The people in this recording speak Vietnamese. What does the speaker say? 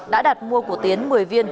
đã đặt mua của tiến một mươi viên